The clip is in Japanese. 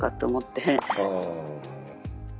ああ。